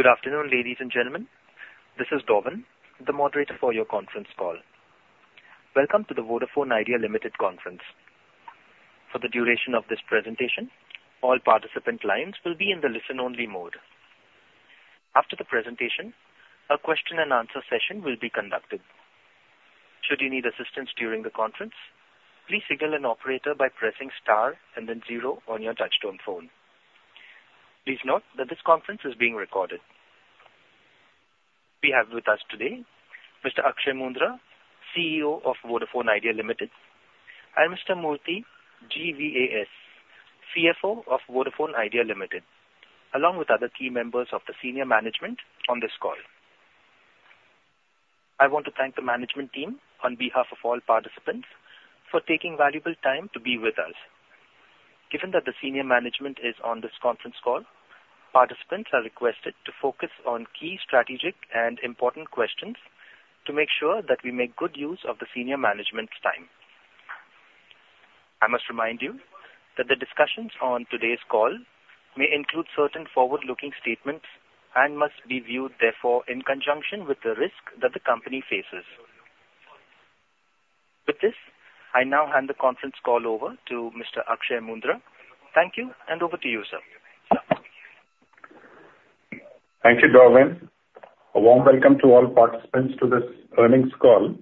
Good afternoon, ladies and gentlemen. This is Darwin, the moderator for your conference call. Welcome to the Vodafone Idea Limited Conference. For the duration of this presentation, all participant lines will be in the listen-only mode. After the presentation, a question-and-answer session will be conducted. Should you need assistance during the conference, please signal an operator by pressing star and then zero on your touchtone phone. Please note that this conference is being recorded. We have with us today Mr. Akshay Moondra, CEO of Vodafone Idea Limited, and Mr. Murthy GVAS, CFO of Vodafone Idea Limited, along with other key members of the senior management on this call. I want to thank the management team on behalf of all participants for taking valuable time to be with us. Given that the senior management is on this conference call, participants are requested to focus on key strategic and important questions to make sure that we make good use of the senior management's time. I must remind you that the discussions on today's call may include certain forward-looking statements and must be viewed therefore, in conjunction with the risk that the company faces. With this, I now hand the conference call over to Mr. Akshay Moondra. Thank you, and over to you, sir. Thank you, Darwin. A warm welcome to all participants to this earnings call.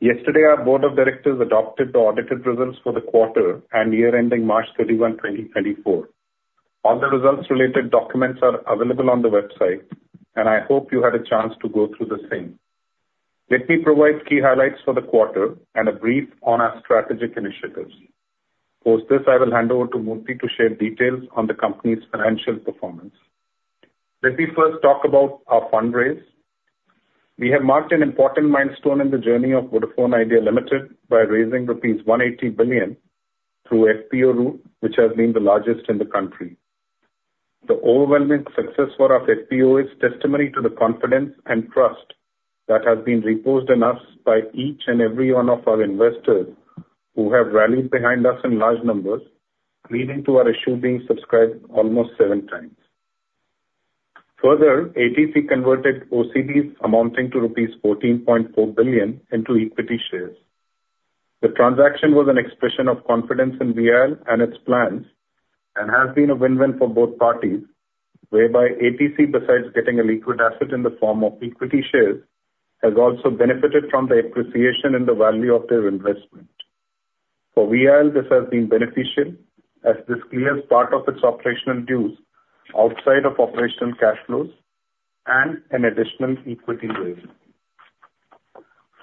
Yesterday, our board of directors adopted the audited results for the quarter and year ending March 31, 2024. All the results-related documents are available on the website, and I hope you had a chance to go through the same. Let me provide key highlights for the quarter and a brief on our strategic initiatives. Post this, I will hand over to Murthy to share details on the company's financial performance. Let me first talk about our fundraise. We have marked an important milestone in the journey of Vodafone Idea Limited by raising rupees 180 billion through FPO route, which has been the largest in the country. The overwhelming success for our FPO is testimony to the confidence and trust that has been reposed in us by each and every one of our investors, who have rallied behind us in large numbers, leading to our issue being subscribed almost 7x. Further, American Tower Corporation converted OCDs amounting to rupees 14.4 billion into equity shares. The transaction was an expression of confidence in VIL and its plans, and has been a win-win for both parties, whereby American Tower Corporation, besides getting a liquid asset in the form of equity shares, has also benefited from the appreciation in the value of their investment. For VIL, this has been beneficial, as this clears part of its operational dues outside of operational cash flows and an additional equity raise.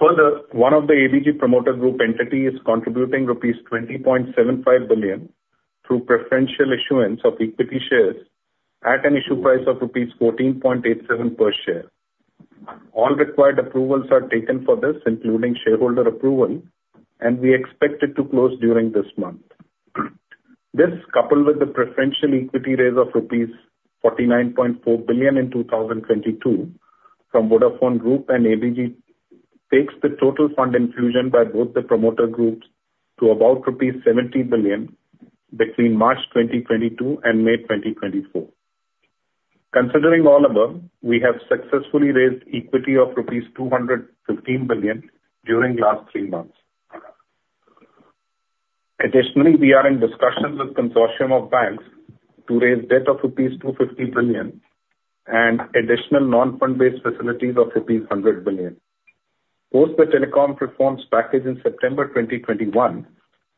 Further, one of the Aditya Birla Group promoter group entity is contributing rupees 20.75 billion through preferential issuance of equity shares at an issue price of rupees 14.87 per share. All required approvals are taken for this, including shareholder approval, and we expect it to close during this month. This, coupled with the preferential equity raise of rupees 49.4 billion in 2022 from Vodafone Group and Aditya Birla Group, takes the total fund infusion by both the promoter groups to about rupees 70 billion between March 2022 and May 2024. Considering all above, we have successfully raised equity of rupees 215 billion during last three months. Additionally, we are in discussions with consortium of banks to raise debt of rupees 250 billion and additional non-fund-based facilities of rupees 100 billion. Post the telecom reforms package in September 2021,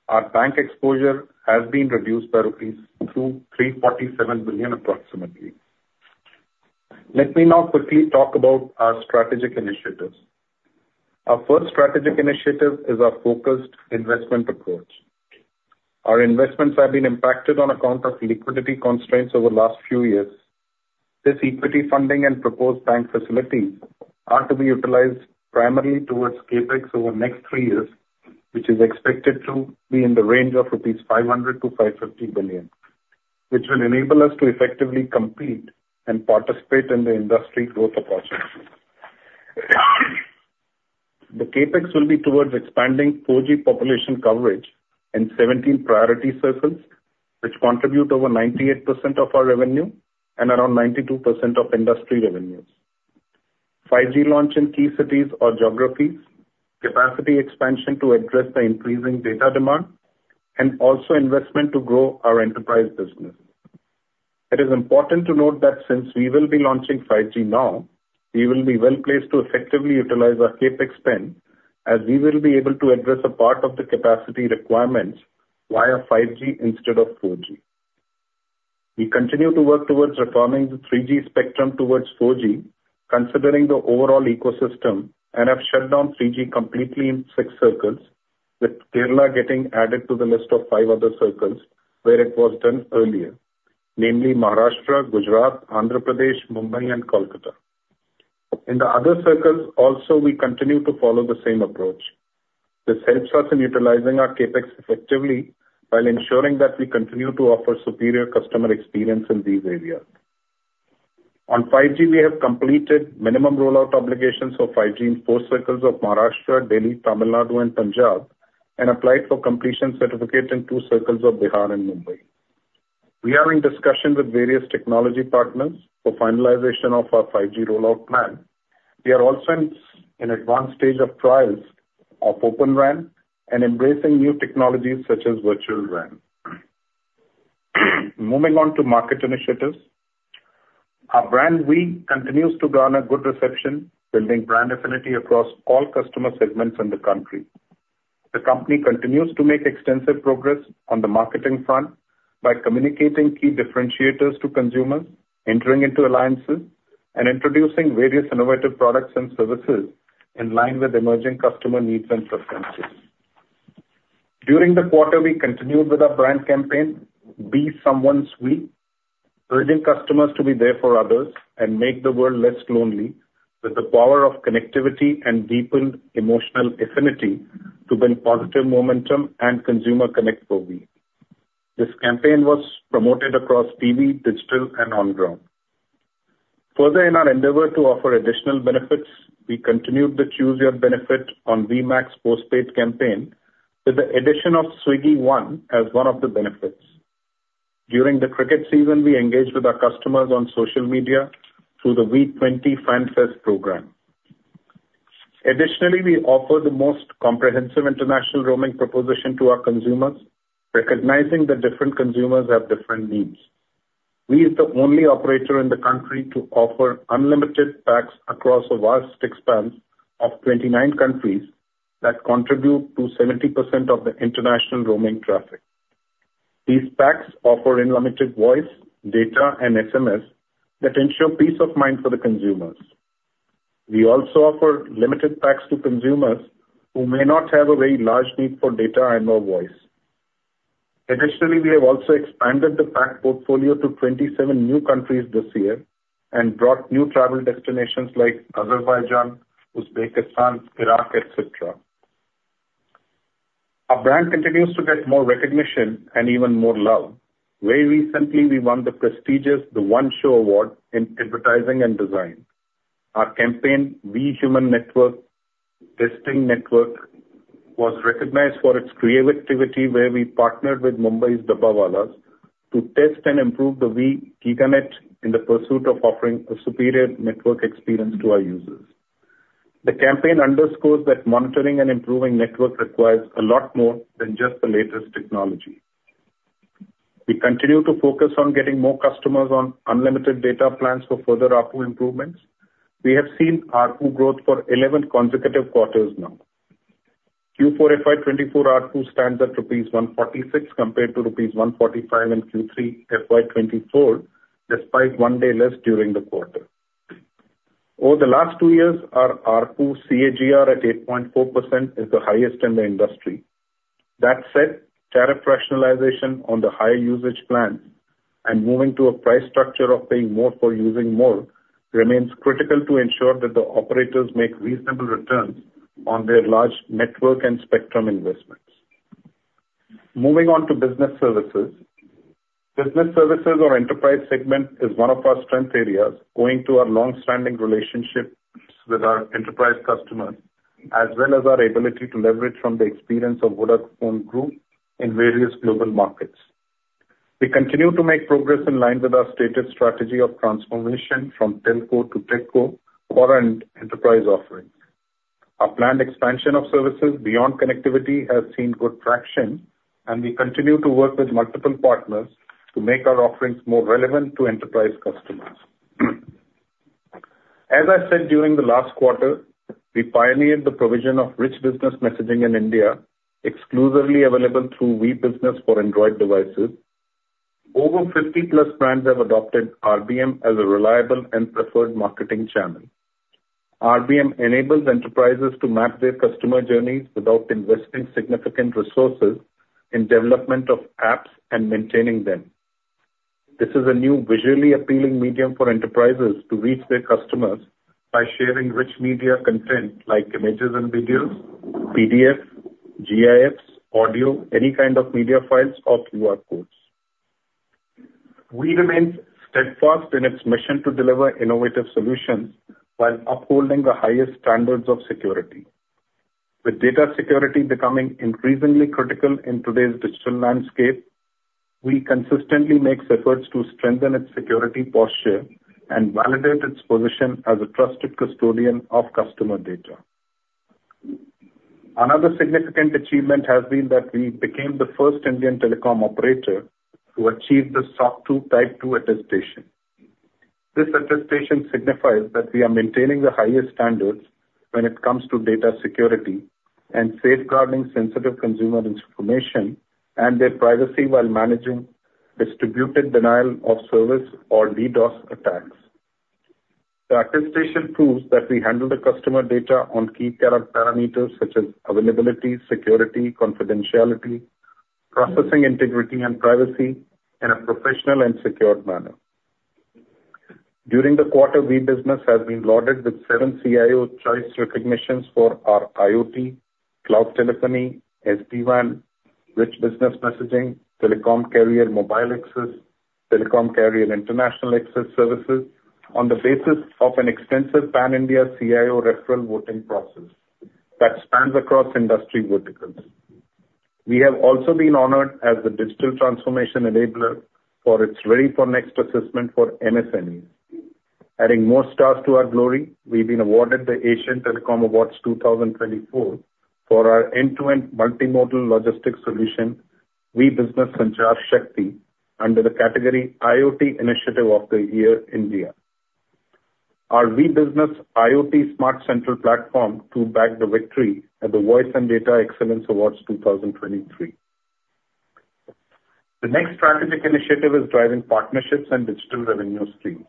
our bank exposure has been reduced by 234.7 billion rupees, approximately. Let me now quickly talk about our strategic initiatives. Our first strategic initiative is our focused investment approach. Our investments have been impacted on account of liquidity constraints over the last few years. This equity funding and proposed bank facilities are to be utilized primarily towards CapEx over the next three years, which is expected to be in the range of rupees 500-550 billion, which will enable us to effectively compete and participate in the industry growth opportunities. The CapEx will be towards expanding 4G population coverage in 17 priority circles, which contribute over 98% of our revenue and around 92% of industry revenues. 5G launch in key cities or geographies, capacity expansion to address the increasing data demand, and also investment to grow our enterprise business. It is important to note that since we will be launching 5G now, we will be well placed to effectively utilize our CapEx spend, as we will be able to address a part of the capacity requirements via 5G instead of 4G. We continue to work towards reforming the 3G spectrum towards 4G, considering the overall ecosystem, and have shut down 3G completely in six circles, with Kerala getting added to the list of five other circles where it was done earlier, namely Maharashtra, Gujarat, Andhra Pradesh, Mumbai and Kolkata. In the other circles also, we continue to follow the same approach. This helps us in utilizing our CapEx effectively while ensuring that we continue to offer superior customer experience in these areas. On 5G, we have completed minimum rollout obligations for 5G in four circles of Maharashtra, Delhi, Tamil Nadu and Punjab, and applied for completion certificates in two circles of Bihar and Mumbai. We are in discussions with various technology partners for finalization of our 5G rollout plan. We are also in an advanced stage of trials of Open RAN and embracing new technologies such as Virtual RAN. Moving on to market initiatives. Our brand, Vi, continues to garner good reception, building brand affinity across all customer segments in the country. The company continues to make extensive progress on the marketing front by communicating key differentiators to consumers, entering into alliances, and introducing various innovative products and services in line with emerging customer needs and preferences. During the quarter, we continued with our brand campaign, "Be Someone's Vi," urging customers to be there for others and make the world less lonely, with the power of connectivity and deepened emotional affinity to build positive momentum and consumer connect for Vi. This campaign was promoted across TV, digital, and on ground. Further, in our endeavor to offer additional benefits, we continued the Choose Your Benefit on Vi Max postpaid campaign, with the addition of Swiggy One as one of the benefits. During the cricket season, we engaged with our customers on social media through the Vi 20 Fanfest program. Additionally, we offer the most comprehensive international roaming proposition to our consumers, recognizing that different consumers have different needs. VI is the only operator in the country to offer unlimited packs across a vast expanse of 29 countries that contribute to 70% of the international roaming traffic. These packs offer unlimited voice, data, and SMS that ensure peace of mind for the consumers. We also offer limited packs to consumers who may not have a very large need for data and/or voice. Additionally, we have also expanded the pack portfolio to 27 new countries this year and brought new travel destinations like Azerbaijan, Uzbekistan, Iraq, et cetera. Our brand continues to get more recognition and even more love. Very recently, we won the prestigious The One Show Award in advertising and design. Our campaign, Vi Human Network Testing, was recognized for its creativity, where we partnered with Mumbai's Dabbawalas to test and improve the Vi GigaNet in the pursuit of offering a superior network experience to our users. The campaign underscores that monitoring and improving network requires a lot more than just the latest technology. We continue to focus on getting more customers on unlimited data plans for further ARPU improvements. We have seen ARPU growth for eleventh consecutive quarters now. Q4 FY 2024 ARPU stands at rupees 146, compared to rupees 145 in Q3 FY 2024, despite one day less during the quarter. Over the last two years, our ARPU CAGR at 8.4% is the highest in the industry. That said, tariff rationalization on the higher usage plans and moving to a price structure of paying more for using more, remains critical to ensure that the operators make reasonable returns on their large network and spectrum investments. Moving on to business services. Business services or enterprise segment is one of our strength areas, owing to our long-standing relationships with our enterprise customers, as well as our ability to leverage from the experience of Vodafone Group in various global markets. We continue to make progress in line with our stated strategy of transformation from telco to techco for our enterprise offerings. Our planned expansion of services beyond connectivity has seen good traction, and we continue to work with multiple partners to make our offerings more relevant to enterprise customers. As I said during the last quarter, we pioneered the provision of rich business messaging in India, exclusively available through Vi Business for Android devices. Over 50+ brands have adopted RBM as a reliable and preferred marketing channel. RBM enables enterprises to map their customer journeys without investing significant resources in development of apps and maintaining them. This is a new visually appealing medium for enterprises to reach their customers by sharing rich media content like images and videos, PDFs, GIFs, audio, any kind of media files or QR codes. Vi remains steadfast in its mission to deliver innovative solutions while upholding the highest standards of security. With data security becoming increasingly critical in today's digital landscape, Vi consistently makes efforts to strengthen its security posture and validate its position as a trusted custodian of customer data. Another significant achievement has been that we became the first Indian telecom operator to achieve the SOC 2 Type 2 attestation. This attestation signifies that we are maintaining the highest standards when it comes to data security and safeguarding sensitive consumer information and their privacy, while managing distributed denial of service, or DDoS, attacks. The attestation proves that we handle the customer data on key parameters such as availability, security, confidentiality, processing integrity and privacy, in a professional and secure manner. During the quarter, Vi Business has been lauded with seven CIO Choice recognitions for our IoT, cloud telephony, SD-WAN - Rich Business Messaging, telecom carrier mobile access, telecom carrier and international access services on the basis of an extensive Pan-India CIO referral voting process that spans across industry verticals. We have also been honored as the digital transformation enabler for its ReadyForNext assessment for MSMEs. Adding more stars to our glory, we've been awarded the Asian Telecom Awards 2024 for our end-to-end multimodal logistics solution, Vi Business Panch-Shakti, under the category IoT Initiative of the Year, India. Our Vi Business IoT Smart Central platform took back the victory at the Voice and Data Excellence Awards 2023. The next strategic initiative is driving partnerships and digital revenue streams.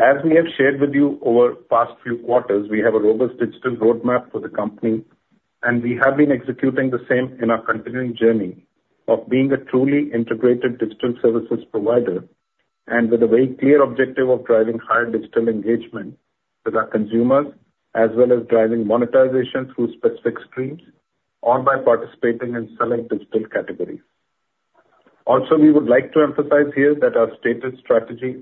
As we have shared with you over the past few quarters, we have a robust digital roadmap for the company, and we have been executing the same in our continuing journey of being a truly integrated digital services provider and with a very clear objective of driving higher digital engagement with our consumers, as well as driving monetization through specific streams or by participating and selling digital categories. Also, we would like to emphasize here that our stated strategy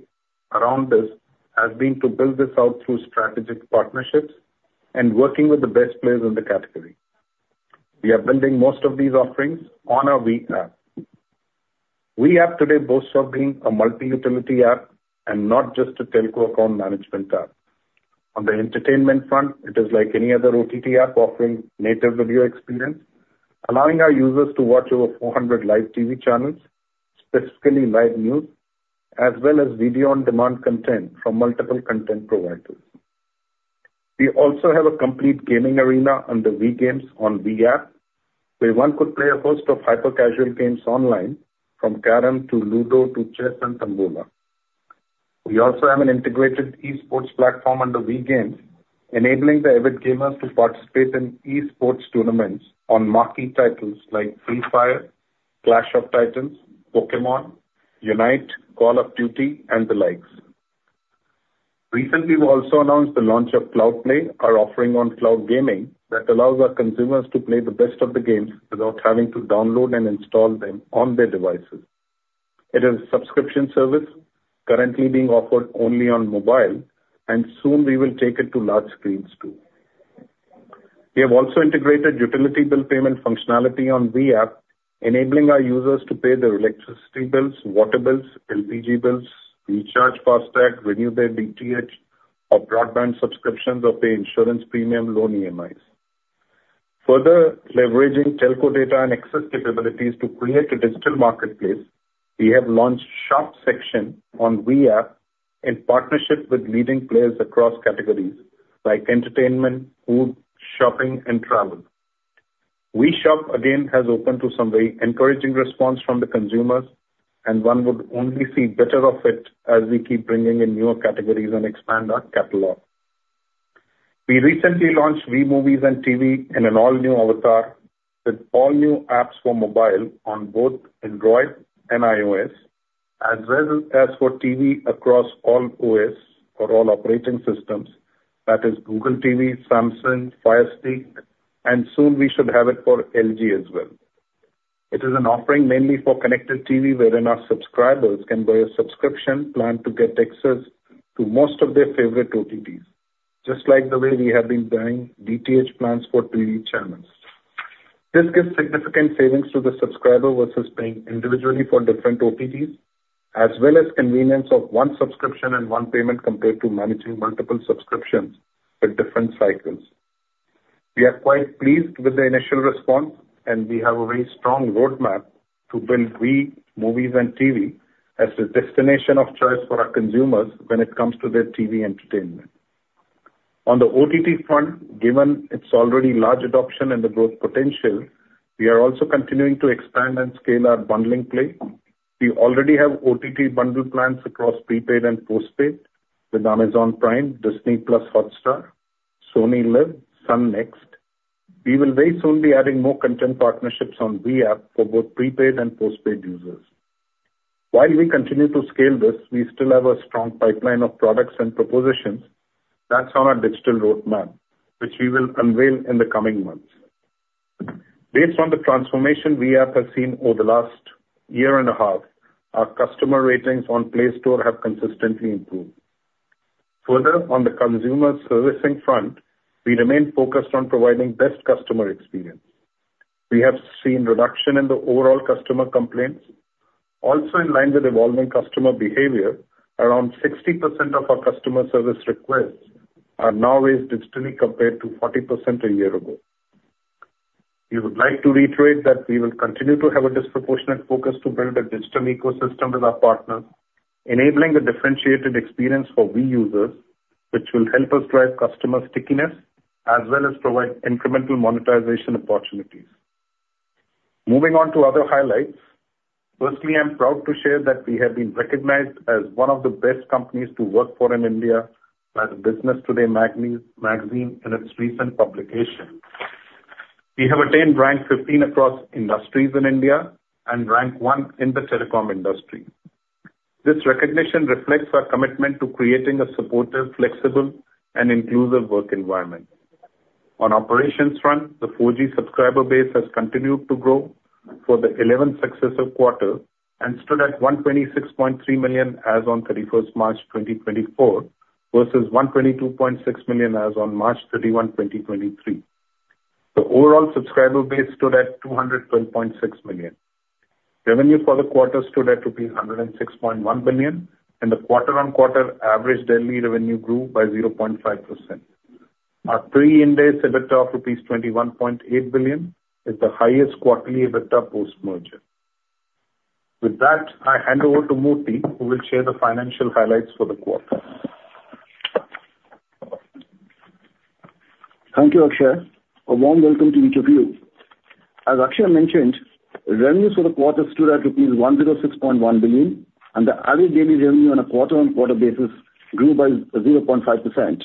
around this has been to build this out through strategic partnerships and working with the best players in the category. We are building most of these offerings on our Vi App. Vi App today boasts of being a multi-utility app and not just a telco account management app. On the entertainment front, it is like any other OTT app offering native video experience, allowing our users to watch over 400 live TV channels, specifically live news, as well as video-on-demand content from multiple content providers. We also have a complete gaming arena on the Vi Games on Vi App, where one could play a host of hyper-casual games online, from carrom to Ludo to chess and tambola. We also have an integrated eSports platform under Vi Games, enabling the avid gamers to participate in eSports tournaments on marquee titles like Free Fire, Clash of Titans, Pokémon UNITE, Call of Duty, and the likes. Recently, we also announced the launch of Cloud Play, our offering on cloud gaming, that allows our consumers to play the best of the games without having to download and install them on their devices. It is a subscription service currently being offered only on mobile, and soon we will take it to large screens, too. We have also integrated utility bill payment functionality on Vi App, enabling our users to pay their electricity bills, water bills, LPG bills, recharge FASTag, renew their DTH or broadband subscriptions, or pay insurance premium, loan EMIs. Further, leveraging telco data and access capabilities to create a digital marketplace, we have launched shop section on Vi App in partnership with leading players across categories like entertainment, food, shopping, and travel. Vi Shop, again, has opened to some very encouraging response from the consumers, and one would only see better of it as we keep bringing in newer categories and expand our catalog. We recently launched Vi Movies & TV in an all-new avatar, with all new apps for mobile on both Android and iOS, as well as for TV across all OS, or all operating systems, that is Google TV, Samsung, Fire Stick, and soon we should have it for LG as well. It is an offering mainly for connected TV, wherein our subscribers can buy a subscription plan to get access to most of their favorite OTTs, just like the way we have been buying DTH plans for TV channels. This gives significant savings to the subscriber versus paying individually for different OTTs, as well as convenience of one subscription and one payment compared to managing multiple subscriptions with different cycles. We are quite pleased with the initial response, and we have a very strong roadmap to build Vi Movies & TV as the destination of choice for our consumers when it comes to their TV entertainment. On the OTT front, given its already large adoption and the growth potential, we are also continuing to expand and scale our bundling play. We already have OTT bundle plans across prepaid and postpaid with Amazon Prime, Disney+ Hotstar, SonyLIV, Sun NXT. We will very soon be adding more content partnerships on Vi App for both prepaid and postpaid users. While we continue to scale this, we still have a strong pipeline of products and propositions that's on our digital roadmap, which we will unveil in the coming months. Based on the transformation Vi App has seen over the last year and a half, our customer ratings on Play Store have consistently improved. Further, on the consumer servicing front, we remain focused on providing best customer experience. We have seen reduction in the overall customer complaints. Also, in line with evolving customer behavior, around 60% of our customer service requests are now raised digitally, compared to 40% a year ago. We would like to reiterate that we will continue to have a disproportionate focus to build a digital ecosystem with our partners, enabling a differentiated experience for Vi users, which will help us drive customer stickiness as well as provide incremental monetization opportunities. Moving on to other highlights. Firstly, I'm proud to share that we have been recognized as one of the best companies to work for in India by the Business Today Magazine in its recent publication. We have attained rank 15 across industries in India and rank 1 in the telecom industry. This recognition reflects our commitment to creating a supportive, flexible, and inclusive work environment. On operations front, the 4G subscriber base has continued to grow for the 11th successive quarter and stood at 126.3 million as on March 31, 2024, versus 122.6 million as on March 31, 2023. The overall subscriber base stood at 210.6 million. Revenue for the quarter stood at 106.1 billion, and the quarter-on-quarter average daily revenue grew by 0.5%. Our pre-Ind AS EBITDA of INR 21.8 billion is the highest quarterly EBITDA post-merger. With that, I hand over to Murthy, who will share the financial highlights for the quarter. Thank you, Akshay. A warm welcome to each of you. As Akshay mentioned, revenue for the quarter stood at rupees 106.1 billion, and the average daily revenue on a quarter-on-quarter basis grew by 0.5%.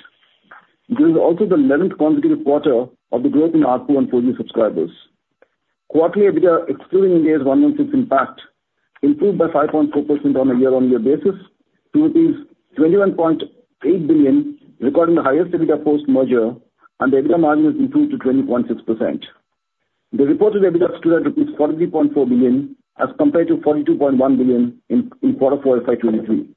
This is also the eleventh consecutive quarter of the growth in ARPU on 4G subscribers. Quarterly EBITDA, excluding the Ind AS 116 impact, improved by 5.4% on a year-on-year basis to 21.8 billion, recording the highest EBITDA post-merger, and the EBITDA margin is improved to 20.6%. The reported EBITDA stood at 40.4 billion, as compared to 42.1 billion in quarter four FY 2023.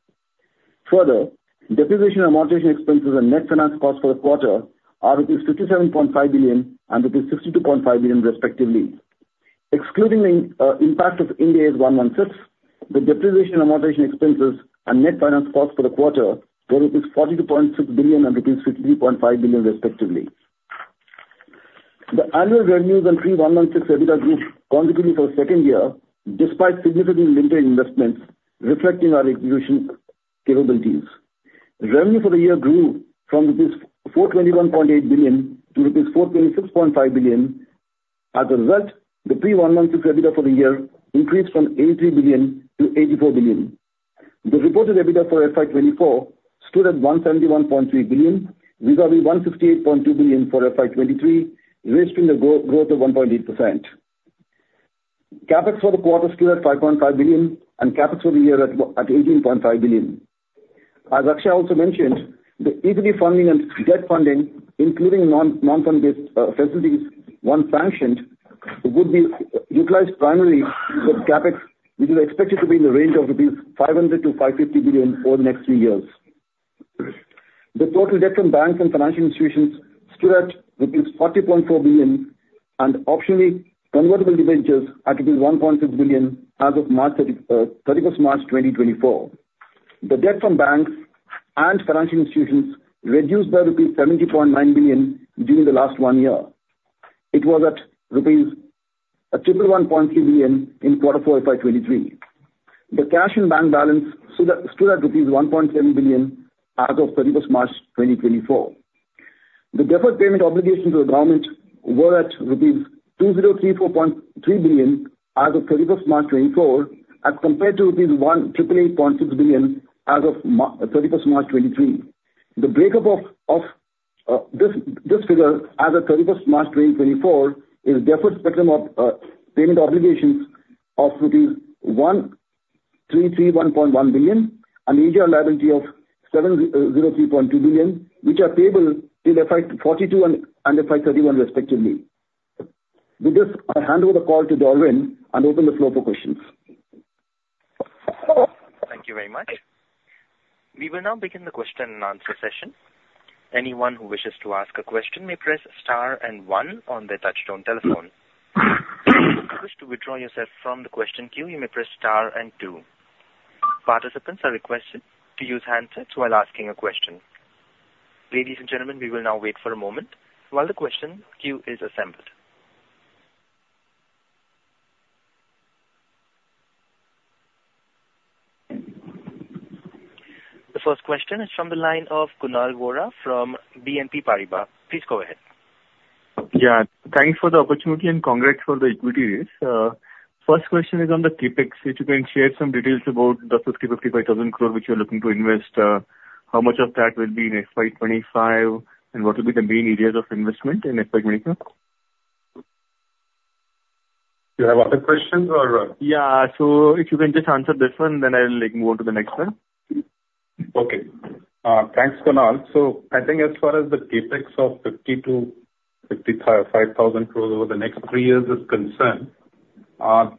Further, depreciation and amortization expenses and net finance costs for the quarter are rupees 57.5 billion and rupees 62.5 billion respectively. Excluding the impact of Ind AS 116, the depreciation and amortization expenses and net finance costs for the quarter were 42.6 billion and 53.5 billion, respectively. The annual revenues and pre-Ind AS 116 EBITDA grew consecutively for the second year, despite significantly limited investments, reflecting our execution capabilities. Revenue for the year grew from 421.8 billion rupees to 426.5 billion rupees. As a result, the pre-Ind AS 116 EBITDA for the year increased from 83 billion-84 billion. The reported EBITDA for FY 2024 stood at 171.3 billion, vis-à-vis 158.2 billion for FY 2023, registering a growth of 1.8%. CapEx for the quarter stood at 5.5 billion, and CapEx for the year at 8.5 billion. As Akshay also mentioned, the equity funding and debt funding, including non-fund-based facilities, once sanctioned, would be utilized primarily for CapEx, which is expected to be in the range of 500 billion-550 billion over the next three years. The total debt from banks and financial institutions stood at 40.4 billion and optionally convertible debentures at 1.6 billion as of March 31, 2024. The debt from banks and financial institutions reduced by rupees 70.9 billion during the last one year. It was at 111.3 billion rupees in quarter four FY 2023. The cash and bank balance stood at rupees 1.7 billion as of 31 March 2024. The deferred payment obligations to the government were at rupees 2,034.3 billion as of 31 March 2024, as compared to rupees 188.6 billion as of 31 March 2023. The breakup of this figure as of 31 March 2024 is deferred spectrum payment obligations of rupees 1,331.1 billion and AGR liability of 703.2 billion, which are payable in FY 2042 and FY 2031 respectively. With this, I hand over the call to Darwin and open the floor for questions. Thank you very much. We will now begin the question-and-answer session. Anyone who wishes to ask a question may press star and one on their touchtone telephone. If you wish to withdraw yourself from the question queue, you may press star and two. Participants are requested to use handsets while asking a question. Ladies and gentlemen, we will now wait for a moment while the question queue is assembled. The first question is from the line of Kunal Vora from BNP Paribas. Please go ahead. Yeah, thanks for the opportunity and congrats for the equity raise. First question is on the CapEx. If you can share some details about the 55,000 crore which you're looking to invest, how much of that will be in FY 2025? And what will be the main areas of investment in FY 2025? You have other questions or? Yeah. So if you can just answer this one, then I'll, like, move on to the next one. Okay. Thanks, Kunal. So I think as far as the CapEx of 50 to 55 thousand crores over the next three years is concerned,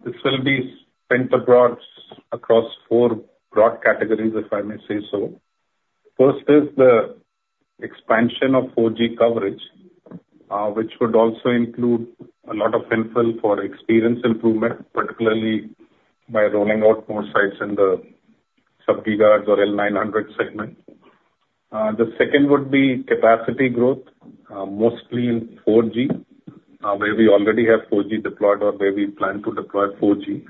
this will be spent across four broad categories, if I may say so. First is the expansion of 4G coverage, which would also include a lot of CapEx for experience improvement, particularly by rolling out more sites in the sub-gigahertz or L900 segment. The second would be capacity growth, mostly in 4G, where we already have 4G deployed or where we plan to deploy 4G.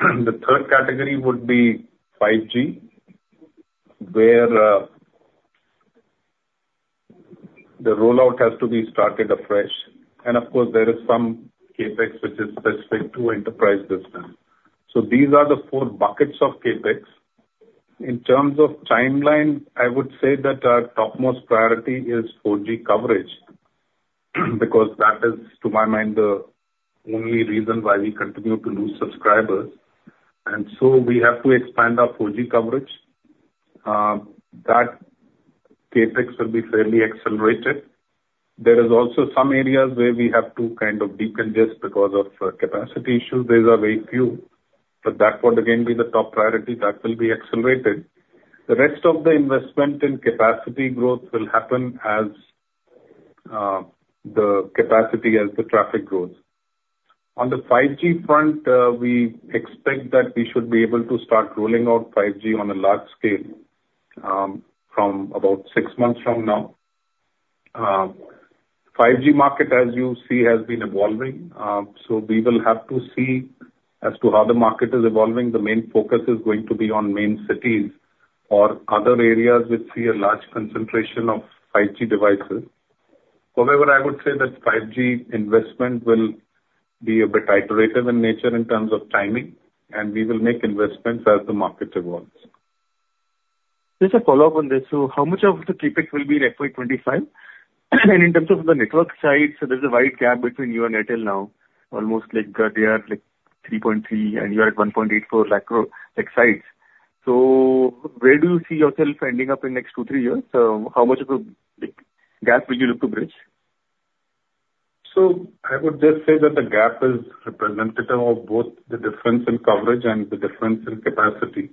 The third category would be 5G, where the rollout has to be started afresh. And of course, there is some CapEx which is specific to enterprise business. So these are the four buckets of CapEx. In terms of timeline, I would say that our topmost priority is 4G coverage because that is, to my mind, the only reason why we continue to lose subscribers. And so we have to expand our 4G coverage. That CapEx will be fairly accelerated. There is also some areas where we have to kind of decongest because of capacity issues. These are very few, but that would again be the top priority. That will be accelerated. The rest of the investment in capacity growth will happen as the capacity as the traffic grows. On the 5G front, we expect that we should be able to start rolling out 5G on a large scale from about six months from now. 5G market, as you see, has been evolving. So we will have to see as to how the market is evolving. The main focus is going to be on main cities or other areas which see a large concentration of 5G devices. However, I would say that 5G investment will be a bit iterative in nature in terms of timing, and we will make investments as the market evolves. Just a follow-up on this. So how much of the CapEx will be in FY 2025? And in terms of the network sites, there's a wide gap between you and Airtel now, almost like, they are, like, 3.3, and you are at 1.84 lakh crore, like, sites. So where do you see yourself ending up in next two, three years? So how much of a, like, gap will you look to bridge? So I would just say that the gap is representative of both the difference in coverage and the difference in capacity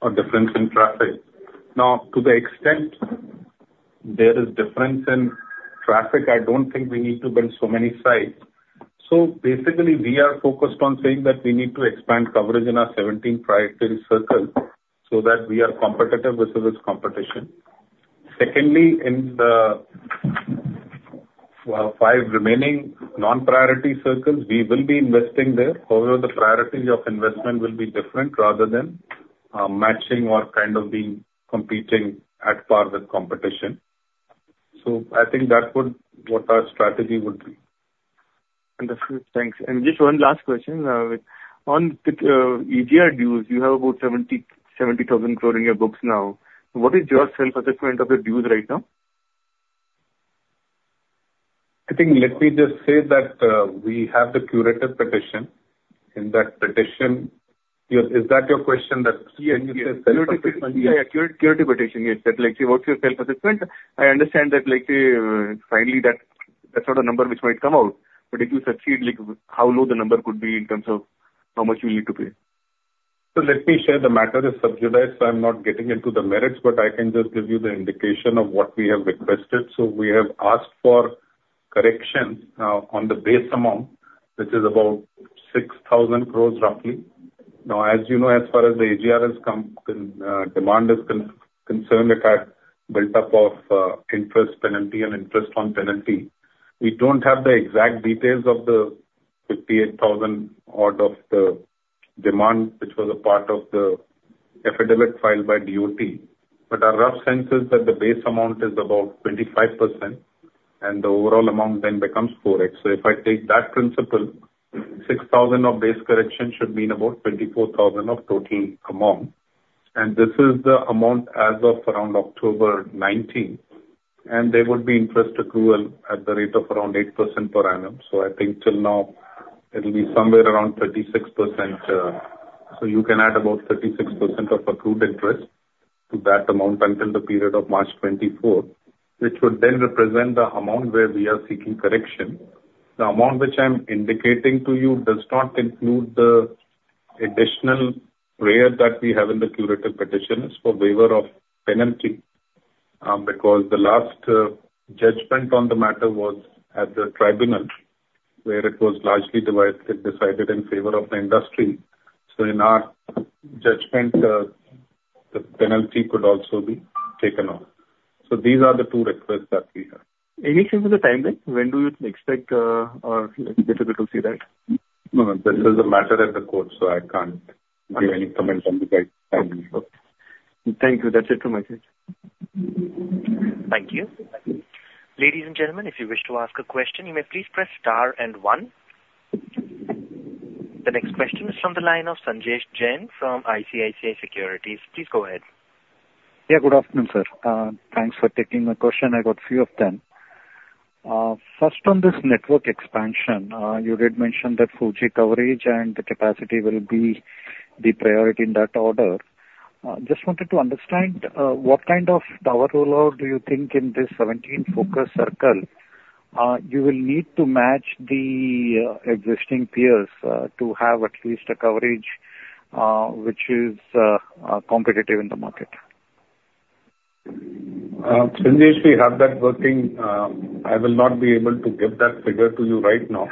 or difference in traffic. Now, to the extent there is difference in traffic, I don't think we need to build so many sites. So basically, we are focused on saying that we need to expand coverage in our 17 priority circles so that we are competitive versus competition. Secondly, in the, well, 5 remaining non-priority circles, we will be investing there. However, the priorities of investment will be different rather than matching or kind of being competing at par with competition. So I think that would be what our strategy would be. Understood. Thanks. Just one last question on the AGR dues. You have about 70,000 crore in your books now. What is your self-assessment of the dues right now? I think, let me just say that, we have the Curative Petition, and that petition, your— Is that your question, that- Yes. When you say- Curative Petition. Yeah, Curative Petition. Yes. That, like, say, what's your self-assessment? I understand that, like, finally, that, that's not a number which might come out. But if you succeed, like, how low the number could be in terms of how much you need to pay? So let me share. The matter is sub judice, so I'm not getting into the merits, but I can just give you the indication of what we have requested. So we have asked for corrections on the base amount, which is about 6,000 crore, roughly. Now, as you know, as far as the AGR demand is concerned with a built up of interest penalty and interest on penalty. We don't have the exact details of the 58,000 crore odd of the demand, which was a part of the affidavit filed by DoT. But our rough sense is that the base amount is about 25%, and the overall amount then becomes 4x. So if I take that principle, 6,000 crore of base correction should mean about 24,000 crore of total amount. This is the amount as of around October 2019, and there would be interest accrual at the rate of around 8% per annum. So I think till now it'll be somewhere around 36%. So you can add about 36% of accrued interest to that amount until the period of March 2024, which would then represent the amount where we are seeking correction. The amount which I'm indicating to you does not include the additional prayer that we have in the curative petition. It's for waiver of penalty, because the last judgment on the matter was at the tribunal, where it was largely divided, decided in favor of the industry. So these are the two requests that we have. Any sense of the timeline? When do you expect, or it's difficult to say that? No, this is a matter at the court, so I can't give any comments on the time. Thank you. That's it from my side. Thank you. Ladies and gentlemen, if you wish to ask a question, you may please press star and one. The next question is from the line of Sanjesh Jain from ICICI Securities. Please go ahead. Yeah, good afternoon, sir. Thanks for taking my question. I've got a few of them. First, on this network expansion, you did mention that 4G coverage and the capacity will be the priority in that order. Just wanted to understand, what kind of tower rollout do you think in this 17 focus circle, you will need to match the, existing peers, to have at least a coverage, which is, competitive in the market? Sanjesh, we have that working. I will not be able to give that figure to you right now,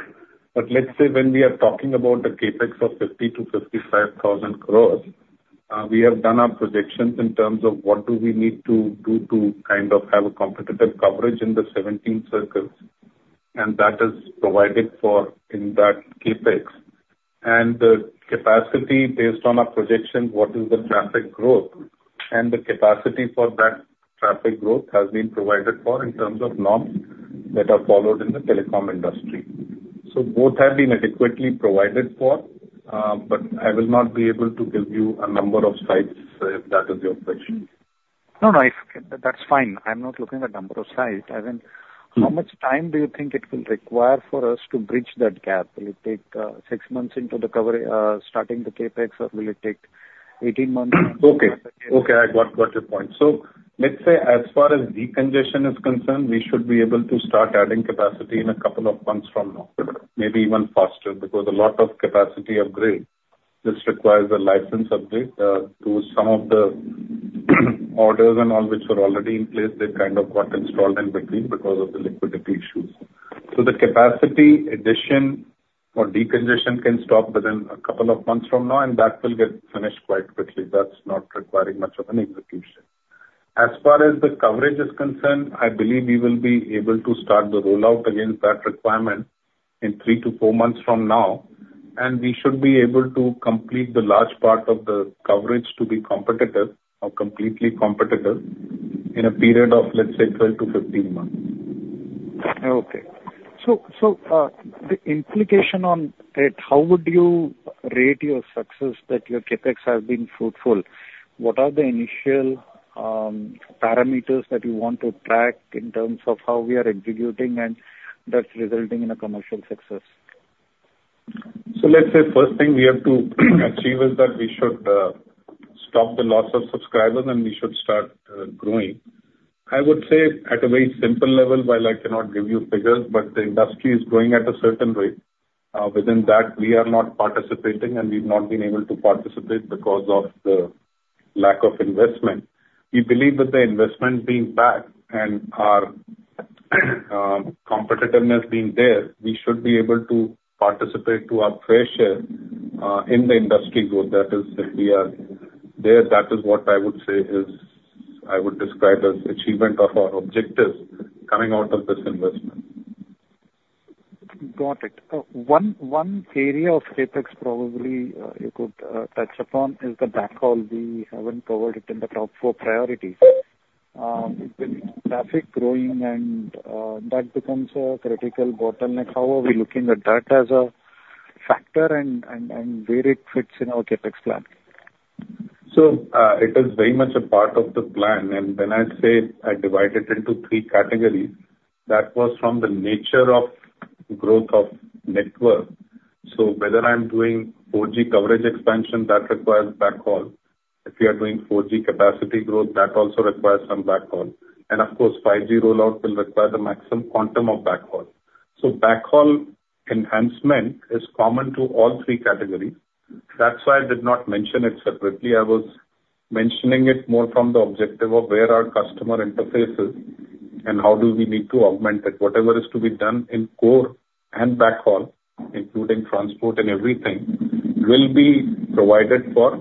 but let's say when we are talking about the CapEx of 50,000 crore-55,000 crore, we have done our projections in terms of what do we need to do to kind of have a competitive coverage in the 17 circles, and that is provided for in that CapEx. And the capacity based on our projection, what is the traffic growth? And the capacity for that traffic growth has been provided for in terms of norms that are followed in the telecom industry. So both have been adequately provided for, but I will not be able to give you a number of sites, if that is your question. No, no, that's fine. I'm not looking at number of sites. I mean, how much time do you think it will require for us to bridge that gap? Will it take 6 months into the cover, starting the CapEx, or will it take 18 months? Okay. Okay, I got, got your point. So let's say as far as decongestion is concerned, we should be able to start adding capacity in a couple of months from now, maybe even faster, because a lot of capacity upgrade just requires a license update to some of the orders and all which were already in place. They kind of got installed in between because of the liquidity issues. So the capacity addition or decongestion can stop within a couple of months from now, and that will get finished quite quickly. That's not requiring much of an execution. As far as the coverage is concerned, I believe we will be able to start the rollout against that requirement in 3-4 months from now, and we should be able to complete the large part of the coverage to be competitive or completely competitive in a period of, let's say, 12-15 months. Okay. So, the implication on it, how would you rate your success that your CapEx has been fruitful? What are the initial parameters that you want to track in terms of how we are executing and that's resulting in a commercial success? Let's say first thing we have to achieve is that we should stop the loss of subscribers, and we should start growing. I would say at a very simple level, while I cannot give you figures, but the industry is growing at a certain rate. Within that, we are not participating, and we've not been able to participate because of the lack of investment. We believe that the investment being back and our competitiveness being there, we should be able to participate to our fair share in the industry growth. That is, if we are there, that is what I would describe as achievement of our objectives coming out of this investment. Got it. One, area of CapEx probably you could touch upon is the backhaul. We haven't covered it in the top four priorities. With traffic growing and that becomes a critical bottleneck, how are we looking at that as a factor and, and, and where it fits in our CapEx plan? So, it is very much a part of the plan, and when I say I divide it into three categories, that was from the nature of growth of network. So whether I'm doing 4G coverage expansion, that requires backhaul. If you are doing 4G capacity growth, that also requires some backhaul. And of course, 5G rollout will require the maximum quantum of backhaul. So backhaul enhancement is common to all three categories. That's why I did not mention it separately. I was mentioning it more from the objective of where are customer interfaces and how do we need to augment it. Whatever is to be done in core and backhaul, including transport and everything, will be provided for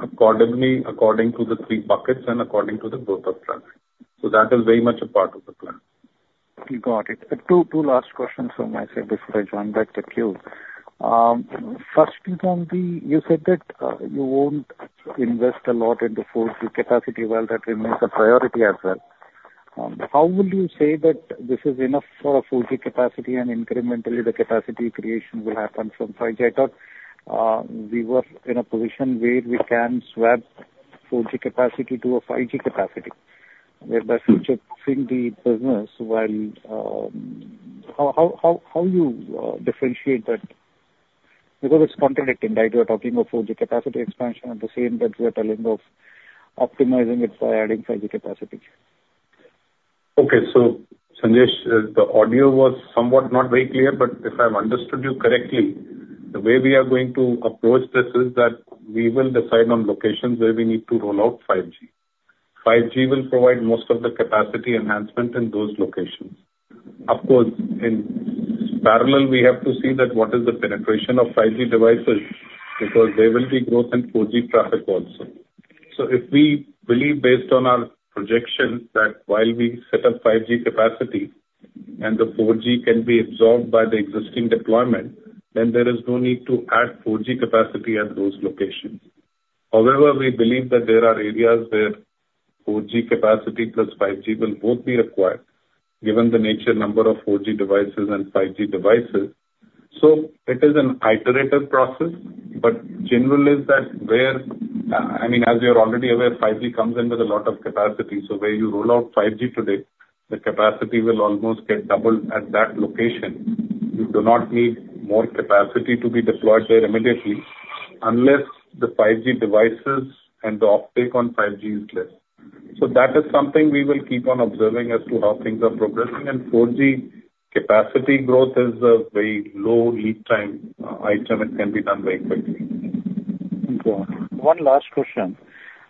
accordingly, according to the three buckets and according to the growth of traffic. So that is very much a part of the plan. Got it. Two last questions from my side before I join back the queue. First is on the, you said that you won't invest a lot in the 4G capacity, while that remains a priority as well. How will you say that this is enough for a 4G capacity and incrementally the capacity creation will happen from 5G? I thought we were in a position where we can swap 4G capacity to a 5G capacity, where the future proofing the business. How you differentiate that? Because it's contradicting, right? You are talking of 4G capacity expansion at the same time you are telling of optimizing it by adding 5G capacity. Okay, so Sanjay, the audio was somewhat not very clear, but if I've understood you correctly, the way we are going to approach this is that we will decide on locations where we need to roll out 5G. 5G will provide most of the capacity enhancement in those locations. Of course, in parallel, we have to see that what is the penetration of 5G devices, because there will be growth in 4G traffic also. So if we believe, based on our projections, that while we set up 5G capacity and the 4G can be absorbed by the existing deployment, then there is no need to add 4G capacity at those locations. However, we believe that there are areas where 4G capacity +5G will both be required, given the nature and number of 4G devices and 5G devices. So it is an iterative process, but generally is that where, I mean, as you're already aware, 5G comes in with a lot of capacity. So where you roll out 5G today, the capacity will almost get doubled at that location. You do not need more capacity to be deployed there immediately, unless the 5G devices and the uptake on 5G is less. So that is something we will keep on observing as to how things are progressing, and 4G capacity growth is a very low lead time item. It can be done very quickly. Got it. One last question: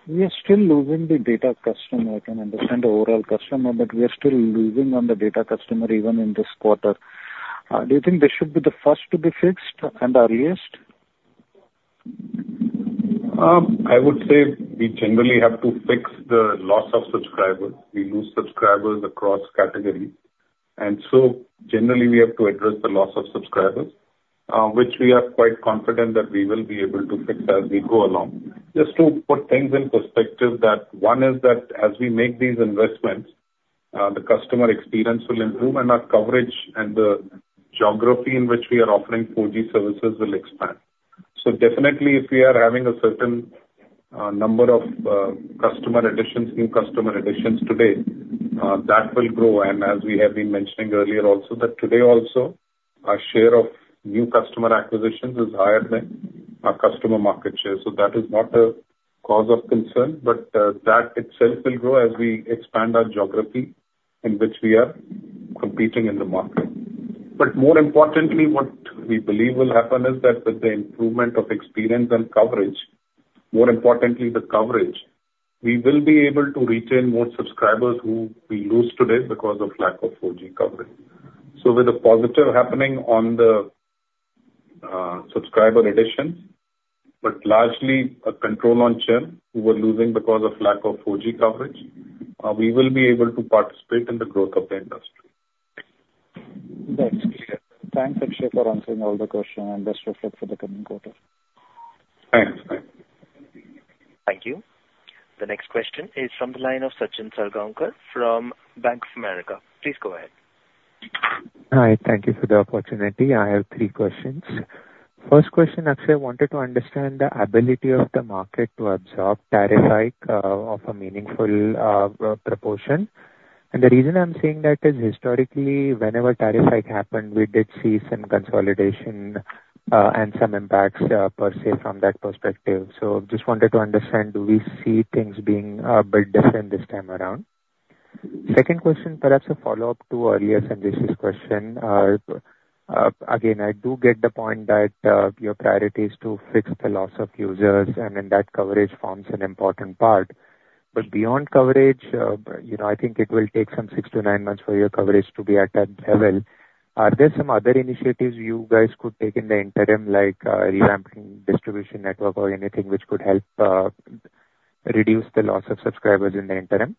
We are still losing the data customer. I can understand the overall customer, but we are still losing on the data customer even in this quarter. Do you think they should be the first to be fixed and earliest? I would say we generally have to fix the loss of subscribers. We lose subscribers across categories, and so generally, we have to address the loss of subscribers, which we are quite confident that we will be able to fix as we go along. Just to put things in perspective, that one is that as we make these investments, the customer experience will improve, and our coverage and the geography in which we are offering 4G services will expand. So definitely, if we are having a certain number of customer additions, new customer additions today, that will grow. And as we have been mentioning earlier also, that today also, our share of new customer acquisitions is higher than our customer market share. So that is not a cause of concern, but that itself will grow as we expand our geography in which we are competing in the market. But more importantly, what we believe will happen is that with the improvement of experience and coverage, more importantly, the coverage, we will be able to retain more subscribers who we lose today because of lack of 4G coverage. So with a positive happening on the subscriber additions, but largely a control on churn, we were losing because of lack of 4G coverage. We will be able to participate in the growth of the industry. That's clear. Thanks, Akshay, for answering all the questions and best of luck for the coming quarter. Thanks. Bye. Thank you. The next question is from the line of Sachin Salgaonkar from Bank of America. Please go ahead. Hi. Thank you for the opportunity. I have three questions. First question, Akshay, I wanted to understand the ability of the market to absorb tariff hike of a meaningful proportion. And the reason I'm saying that is historically, whenever tariff hike happened, we did see some consolidation and some impacts per se from that perspective. So just wanted to understand, do we see things being bit different this time around? Second question, perhaps a follow-up to earlier Sanjesh's question. Again, I do get the point that your priority is to fix the loss of users, and then that coverage forms an important part. But beyond coverage, you know, I think it will take some six to nine months for your coverage to be at that level. Are there some other initiatives you guys could take in the interim, like, revamping distribution network or anything which could help, reduce the loss of subscribers in the interim?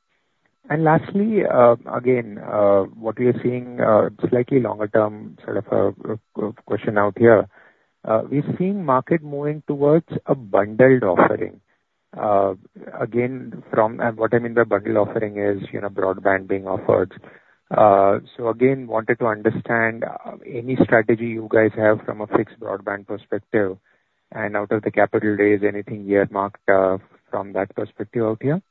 And lastly, again, what we are seeing, slightly longer term, sort of, a question out here. We've seen market moving towards a bundled offering. And what I mean by bundled offering is, you know, broadband being offered. So again, wanted to understand, any strategy you guys have from a fixed broadband perspective, and out of the capital raise, anything yet marked, from that perspective out here?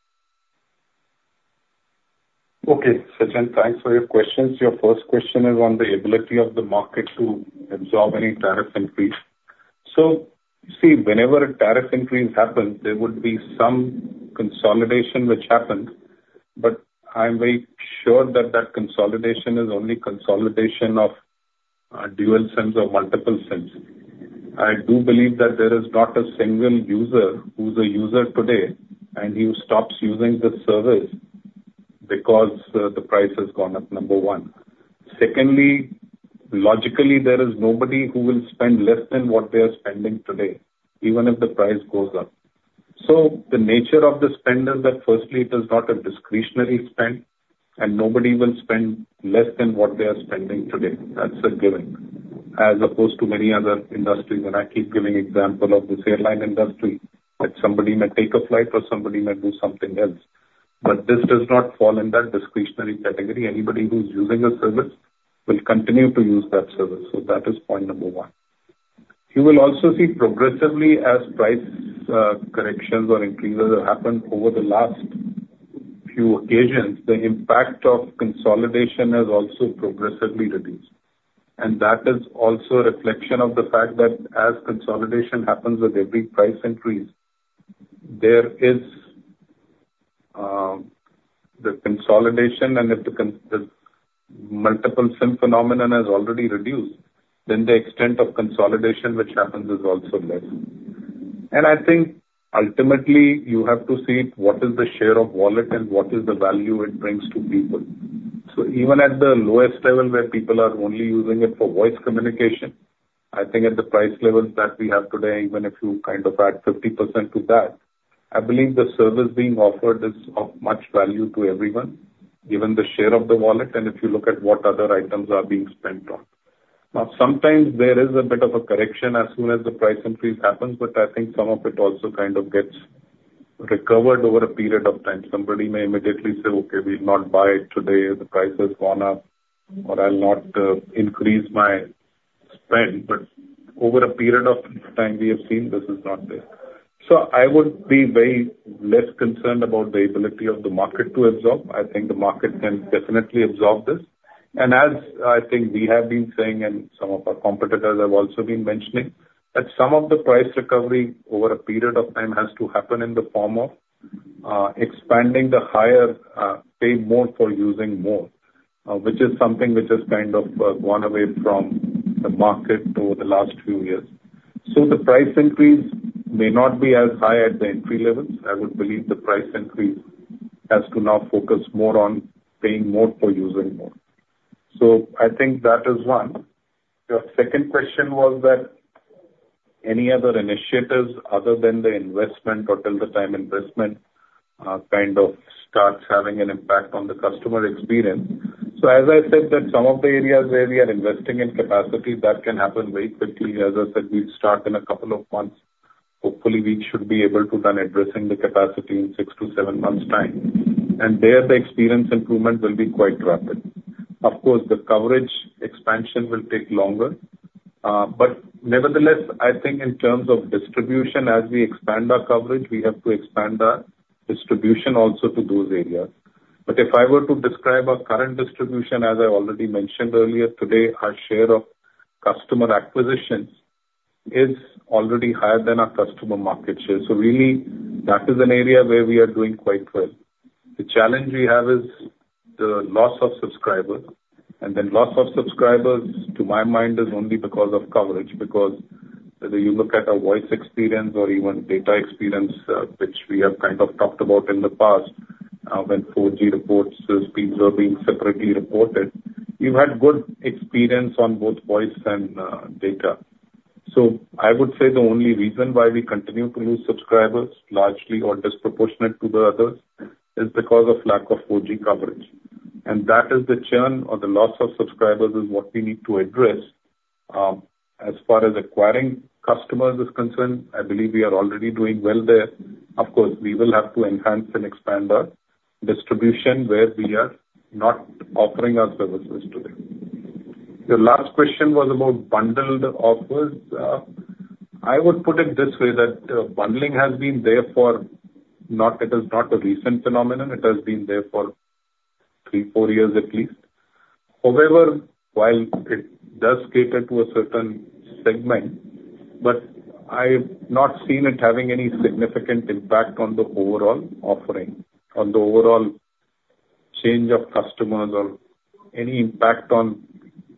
Okay, Sachin, thanks for your questions. Your first question is on the ability of the market to absorb any tariff increase. So see, whenever a tariff increase happens, there would be some consolidation which happens, but I'm very sure that that consolidation is only consolidation of dual SIMs or multiple SIMs. I do believe that there is not a single user who's a user today, and he stops using the service because the price has gone up, number one. Secondly, logically, there is nobody who will spend less than what they are spending today, even if the price goes up. So the nature of the spend is that, firstly, it is not a discretionary spend, and nobody will spend less than what they are spending today. That's a given. As opposed to many other industries, and I keep giving example of this airline industry, that somebody may take a flight or somebody may do something else. But this does not fall in that discretionary category. Anybody who's using a service will continue to use that service. So that is point number one. You will also see progressively, as price corrections or increases have happened over the last few occasions, the impact of consolidation has also progressively reduced. And that is also a reflection of the fact that as consolidation happens with every price increase, there is the consolidation, and if the multiple SIM phenomenon has already reduced, then the extent of consolidation which happens is also less. And I think ultimately, you have to see what is the share of wallet and what is the value it brings to people. So even at the lowest level, where people are only using it for voice communication, I think at the price levels that we have today, even if you kind of add 50% to that, I believe the service being offered is of much value to everyone, given the share of the wallet and if you look at what other items are being spent on. Now, sometimes there is a bit of a correction as soon as the price increase happens, but I think some of it also kind of gets recovered over a period of time. Somebody may immediately say, "Okay, we'll not buy it today, the price has gone up," or, "I'll not increase my spend." But over a period of time, we have seen this is not there. So I would be very less concerned about the ability of the market to absorb. I think the market can definitely absorb this. And as I think we have been saying, and some of our competitors have also been mentioning, that some of the price recovery over a period of time has to happen in the form of, expanding the higher, pay more for using more, which is something which has kind of, gone away from the market over the last few years. So the price increase may not be as high at the entry levels. I would believe the price increase has to now focus more on paying more for using more. So I think that is one. Your second question was that any other initiatives other than the investment or till the time investment, kind of starts having an impact on the customer experience. So as I said, that some of the areas where we are investing in capacity, that can happen very quickly. As I said, we'll start in a couple of months. Hopefully, we should be able to done addressing the capacity in 6-7 months' time, and there the experience improvement will be quite rapid. Of course, the coverage expansion will take longer. But nevertheless, I think in terms of distribution, as we expand our coverage, we have to expand our distribution also to those areas. But if I were to describe our current distribution, as I already mentioned earlier today, our share of customer acquisitions is already higher than our customer market share. So really, that is an area where we are doing quite well. The challenge we have is the loss of subscribers, and then loss of subscribers, to my mind, is only because of coverage. Because whether you look at our voice experience or even data experience, which we have kind of talked about in the past, when 4G reports, those speeds are being separately reported, we've had good experience on both voice and data. So I would say the only reason why we continue to lose subscribers, largely or disproportionate to the others, is because of lack of 4G coverage. And that is the churn or the loss of subscribers is what we need to address. As far as acquiring customers is concerned, I believe we are already doing well there. Of course, we will have to enhance and expand our distribution where we are not offering our services today. Your last question was about bundled offers. I would put it this way, that bundling has been there it is not a recent phenomenon. It has been there for 3, 4 years at least. However, while it does cater to a certain segment, but I've not seen it having any significant impact on the overall offering, on the overall change of customers or any impact on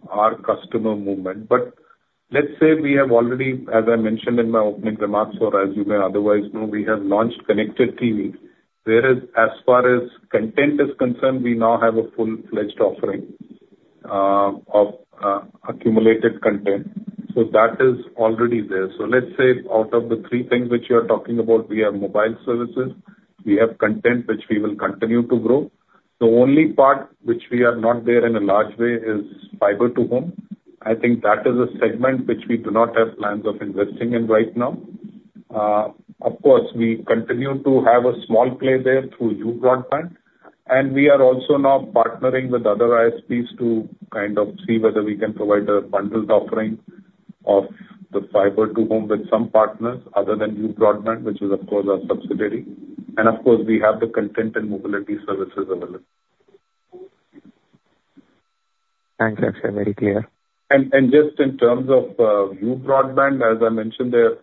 our customer movement. But let's say we have already, as I mentioned in my opening remarks, or as you may otherwise know, we have launched Connected TV. Whereas as far as content is concerned, we now have a full-fledged offering of accumulated content. So that is already there. So let's say out of the three things which you are talking about, we have mobile services, we have content, which we will continue to grow. The only part which we are not there in a large way is Fiber to Home. I think that is a segment which we do not have plans of investing in right now. Of course, we continue to have a small play there through You Broadband, and we are also now partnering with other ISPs to kind of see whether we can provide a bundled offering of the Fiber to Home with some partners other than You Broadband, which is of course our subsidiary. And of course, we have the content and mobility services available. Thanks, Akshay. Very clear. Just in terms of you broadband, as I mentioned there,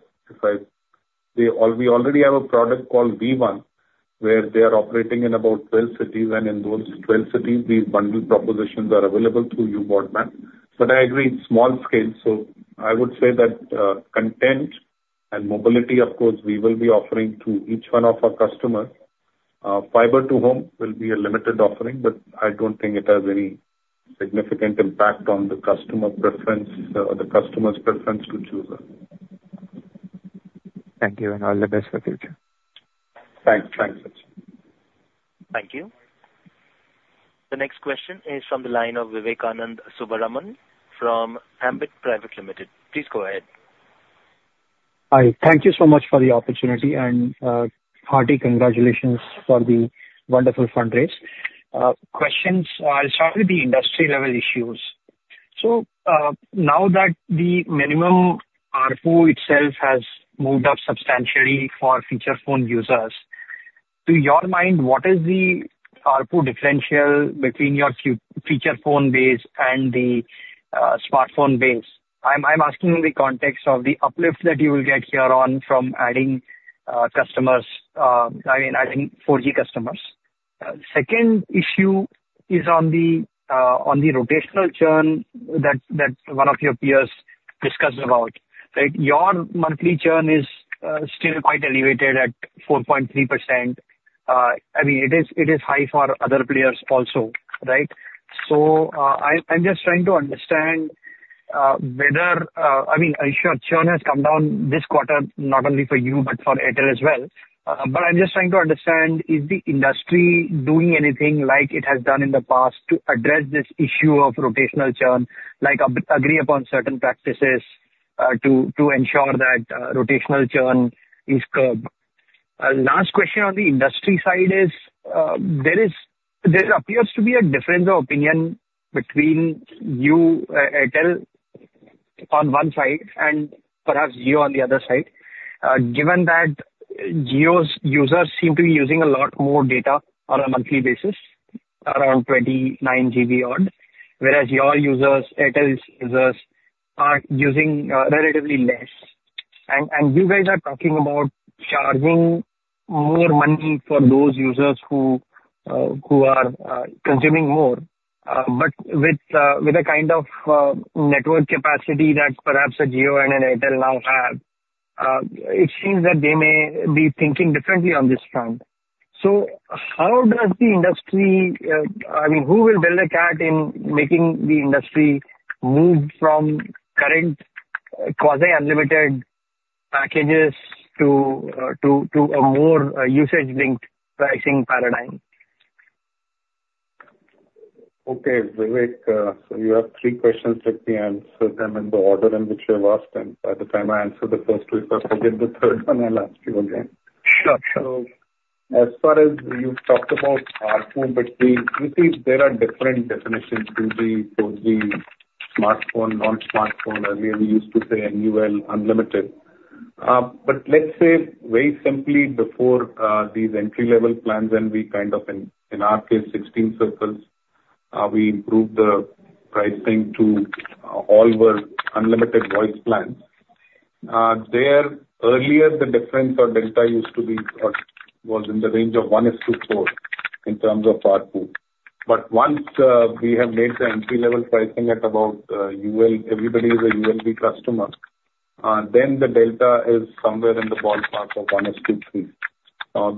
we already have a product called Vi One, where they are operating in about 12 cities, and in those 12 cities, these bundle propositions are available through you broadband. But I agree, it's small scale. So I would say that content and mobility, of course, we will be offering to each one of our customers. Fiber to home will be a limited offering, but I don't think it has any significant impact on the customer preference, or the customer's preference to choose us. Thank you, and all the best for future. Thanks. Thank you. The next question is from the line of Vivekananda Subbaraman from Ambit Capital. Please go ahead. Hi, thank you so much for the opportunity and, hearty congratulations for the wonderful fundraise. Questions, I'll start with the industry-level issues. So, now that the minimum ARPU itself has moved up substantially for feature phone users, to your mind, what is the ARPU differential between your feature phone base and the, smartphone base? I'm, I'm asking in the context of the uplift that you will get here on from adding, customers, I mean, adding 4G customers. Second issue is on the, on the rotational churn that, that one of your peers discussed about, right? Your monthly churn is, still quite elevated at 4.3%. I mean, it is, it is high for other players also, right? I'm just trying to understand whether, I mean, I'm sure churn has come down this quarter, not only for you, but for Airtel as well. But I'm just trying to understand, is the industry doing anything like it has done in the past to address this issue of rotational churn, like agree upon certain practices, to ensure that rotational churn is curbed? Last question on the industry side is, there appears to be a difference of opinion between you, Airtel on one side and perhaps Jio on the other side. Given that Jio's users seem to be using a lot more data on a monthly basis, around 29 GB odd, whereas your users, Airtel's users, are using relatively less. And you guys are talking about charging more money for those users who are consuming more. But with a kind of network capacity that perhaps a Jio and an Airtel now have, it seems that they may be thinking differently on this front. So how does the industry, I mean, who will bell the cat in making the industry move from current quasi-unlimited packages to a more usage-linked pricing paradigm? Okay, Vivek, so you have three questions. Let me answer them in the order in which you have asked them. By the time I answer the first two, forget the third one, I'll ask you again. So as far as you've talked about smartphone, but we, you see, there are different definitions to the smartphone, non-smartphone. Earlier, we used to say UL, unlimited. But let's say very simply, before these entry-level plans, and we kind of in our case, 16 circles, we improved the pricing to all were unlimited voice plans. There, earlier, the difference or delta used to be or was in the range of 1:4 in terms of ARPU. But once we have made the entry-level pricing at about UL, everybody is a UL Vi customer, then the delta is somewhere in the ballpark of 1 is to 3.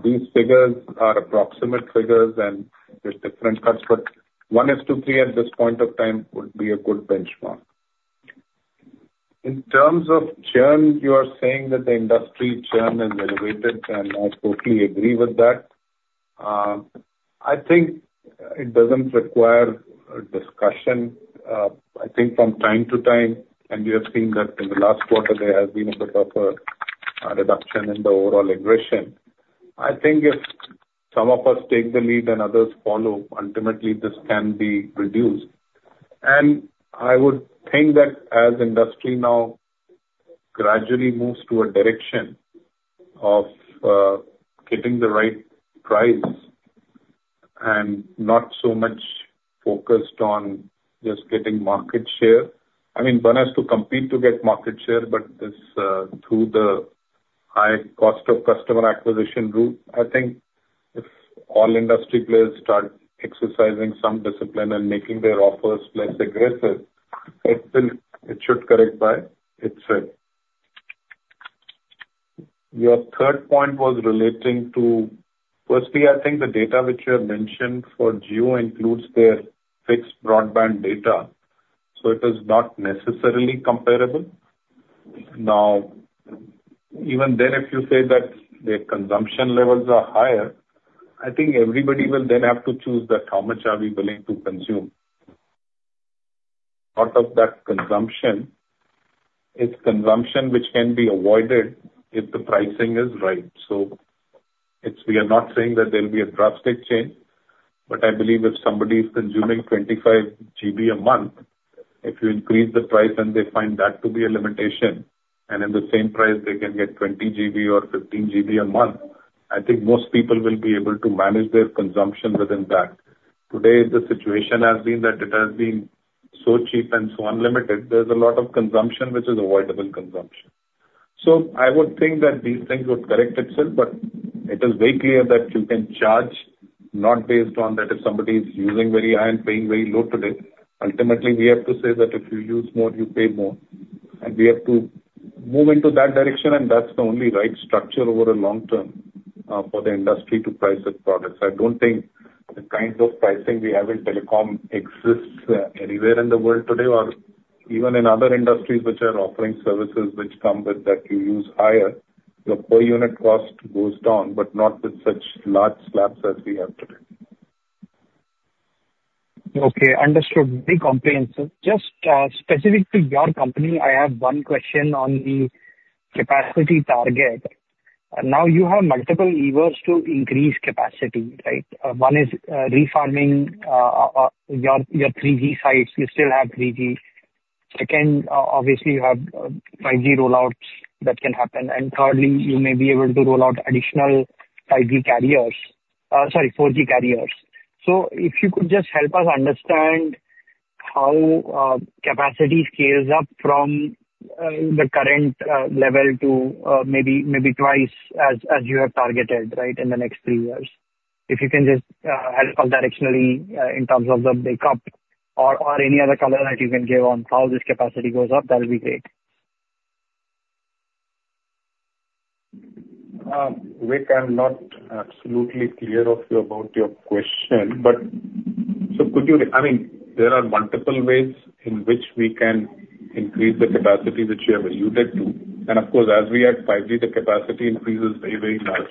These figures are approximate figures, and there's different cuts, but 1 is to 3 at this point of time would be a good benchmark. In terms of churn, you are saying that the industry churn is elevated, and I totally agree with that. I think it doesn't require a discussion. I think from time to time, and we have seen that in the last quarter, there has been a bit of a reduction in the overall aggression. I think if some of us take the lead and others follow, ultimately this can be reduced. I would think that as industry now gradually moves to a direction of getting the right price and not so much focused on just getting market share. I mean, one has to compete to get market share, but this through the high cost of customer acquisition route, I think if all industry players start exercising some discipline and making their offers less aggressive, it will, it should correct by itself. Your third point was relating to. Firstly, I think the data which you have mentioned for Jio includes their fixed broadband data, so it is not necessarily comparable. Now, even then, if you say that their consumption levels are higher, I think everybody will then have to choose that how much are we willing to consume? Part of that consumption is consumption which can give avoided if the pricing is right. So it's- we are not saying that there will be a drastic change, but I believe if somebody is consuming 25 GB a month, if you increase the price and they find that to be a limitation, and in the same price, they can get 20 GB or 15 GB a month, I think most people will be able to manage their consumption within that. Today, the situation has been that it has been so cheap and so unlimited, there's a lot of consumption which is avoidable consumption. So I would think that these things would correct itself, but it is very clear that you can charge, not based on that if somebody is using very high and paying very low today. Ultimately, we have to say that if you use more, you pay more, and we have to move into that direction, and that's the only right structure over a long term, for the industry to price its products. I don't think the kinds of pricing we have in telecom exists, anywhere in the world today or even in other industries which are offering services which come with that you use higher, your per unit cost goes down, but not with such large slabs as we have today. Okay, understood. Big comprehensive. Just specific to your company, I have one question on the capacity target. Now, you have multiple levers to increase capacity, right? One is refarming your 3G sites. You still have 3G. Second, obviously, you have 5G rollouts that can happen. And thirdly, you may be able to roll out additional 5G carriers, sorry, 4G carriers. So if you could just help us understand how capacity scales up from the current level to maybe twice as you have targeted, right, in the next three years. If you can just help us directionally in terms of the makeup or any other color that you can give on how this capacity goes up, that'll be great. We cannot be absolutely clear to you about your question, there are multiple ways in which we can increase the capacity which you have alluded to. And of course, as we add 5G, the capacity increases very, very much.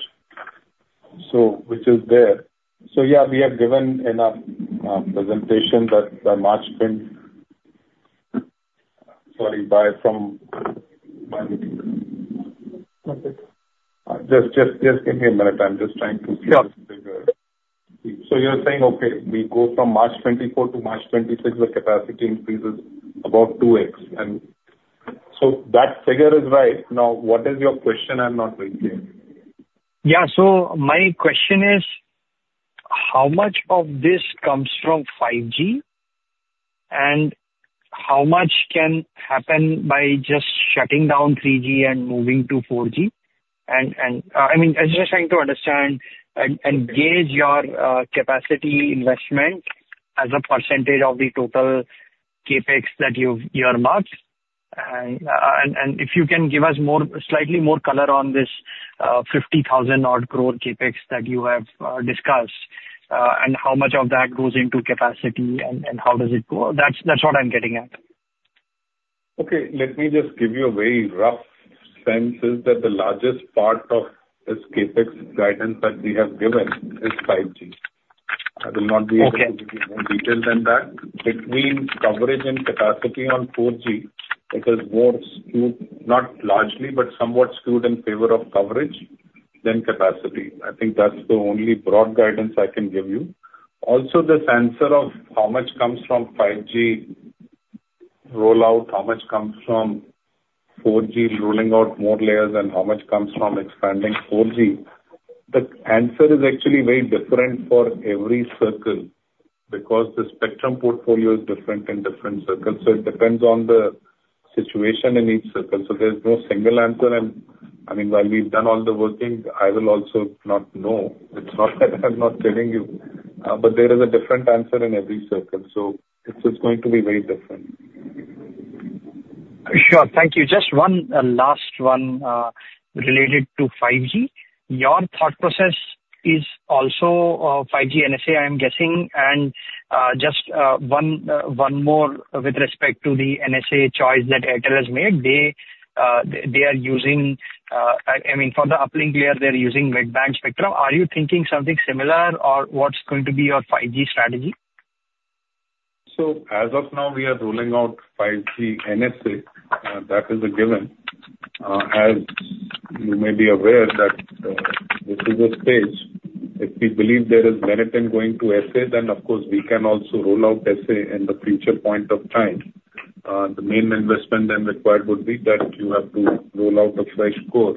So which is there. So yeah, we have given in our presentation that the March 23... Sorry, but from my meeting. Just give me a minute. Sure. So you're saying, okay, we go from March 2024 to March 2026, the capacity increases about 2x. And so that figure is right. Now, what is your question? I'm not really getting it. Yeah. So my question is: How much of this comes from 5G, and how much can happen by just shutting down 3G and moving to 4G? And, I mean, I was just trying to understand and gauge your capacity investment as a percentage of the total CapEx that you've earmarked. And if you can give us more, slightly more color on this 50,000-odd crore CapEx that you have discussed, and how much of that goes into capacity and how does it go? That's what I'm getting at. Okay, let me just give you a very rough sense, is that the largest part of this CapEx guidance that we have given is 5G. I will not be able- To give you more detail than that. Between coverage and capacity on 4G, it is more skewed, not largely, but somewhat skewed in favor of coverage than capacity. I think that's the only broad guidance I can give you. Also, the sense of how much comes from 5G rollout, how much comes from 4G rolling out more layers, and how much comes from expanding 4G, the answer is actually very different for every circle, because the spectrum portfolio is different in different circles, so it depends on the situation in each circle. So there's no single answer, and, I mean, while we've done all the work, I will also not know. It's not that I'm not telling you, but there is a different answer in every circle, so it's just going to be very different. Sure. Thank you. Just one last one related to 5G. Your thought process is also 5G NSA, I'm guessing. And just one more with respect to the NSA choice that Airtel has made. They are using, for the uplink layer, they're using mid-band spectrum. Are you thinking something similar, or what's going to be your 5G strategy? So as of now, we are rolling out 5G NSA. That is a given. As you may be aware that, this is a stage, if we believe there is merit in going to SA, then of course, we can also roll out SA in the future point of time. The main investment then required would be that you have to roll out a fresh core.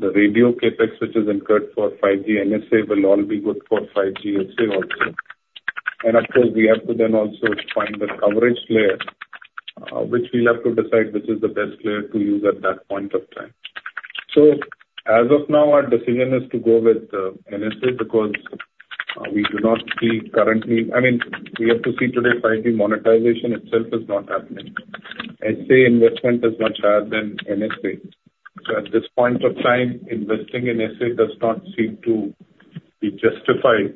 The radio CapEx, which is incurred for 5G NSA, will all be good for 5G SA also. And of course, we have to then also find the coverage layer, which we'll have to decide which is the best layer to use at that point of time. So as of now, our decision is to go with NSA, because we do not see currently, we have to see today, 5G monetization itself is not happening. SA investment is much higher than NSA, so at this point of time, investing in SA does not seem to be justified.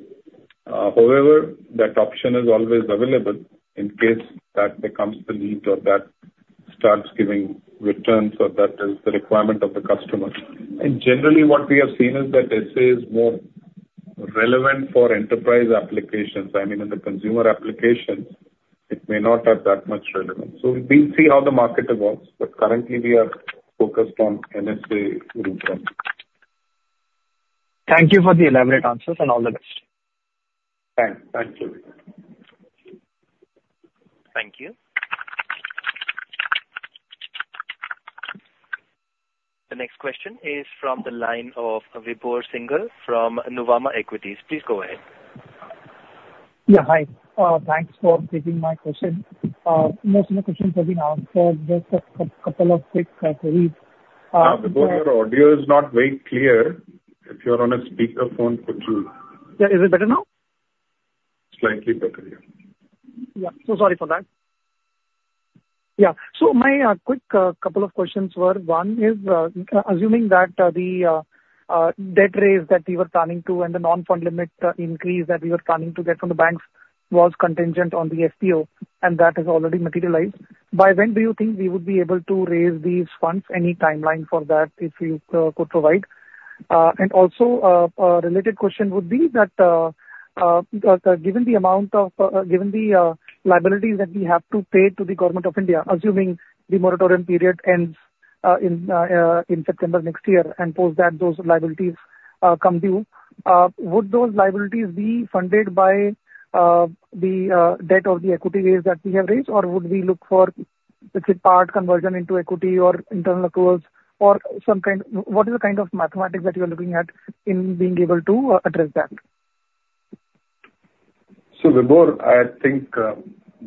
However, that option is always available in case that becomes the need or that starts giving returns or that is the requirement of the customer. Generally, what we have seen is that SA is more relevant for enterprise applications. I mean, in the consumer applications, it may not have that much relevance. We'll see how the market evolves, but currently we are focused on NSA rollout. Thank you for the elaborate answers, and all the best. Thanks. Thank you. Thank you. The next question is from the line of Vibhor Singhal from Nuvama Equities. Please go ahead. Yeah, hi. Thanks for taking my question. Most of the questions have been asked, so just a couple of quick queries. Vibhor, your audio is not very clear. If you're on a speaker phone, could you- Yeah. Is it better now? Slightly better, yeah. Yeah. So sorry for that. Yeah. So my quick couple of questions were, one is, assuming that the debt raise that we were planning to and the non-fund limit increase that we were planning to get from the banks was contingent on the FPO, and that has already materialized. By when do you think we would be able to raise these funds? Any timeline for that, if you could provide? And also, a related question would be that, given the amount of given the liabilities that we have to pay to the Government of India, assuming the moratorium period ends in September next year, and post that, those liabilities come due, would those liabilities be funded by the debt or the equity raise that we have raised, or would we look for specific part conversion into equity or internal accruals or some kind... What is the kind of mathematics that you are looking at in being able to address that? Vibhor, I think,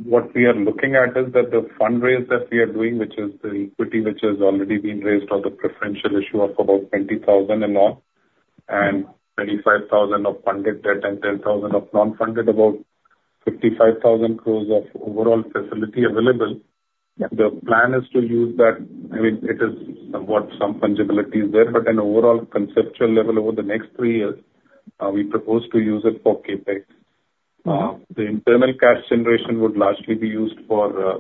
what we are looking at is that the fundraise that we are doing, which is the equity which has already been raised, or the preferential issue of about 20,000 and more, and 35,000 of funded debt and 10,000 of non-funded, about 55,000 crores of overall facility available. Yeah. The plan is to use that, it is somewhat some fungibility is there, but an overall conceptual level, over the next three years, we propose to use it for CapEx. The internal cash generation would largely be used for,